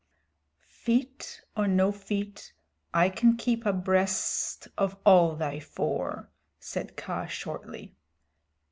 "Feet or no feet, I can keep abreast of all thy four," said Kaa shortly.